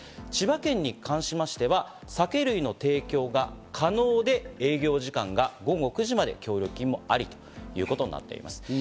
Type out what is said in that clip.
千葉県に関しましては酒類の提供が可能で、営業時間が午後９時まで、協力金もありということになっています。